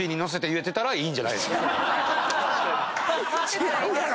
違うやろ！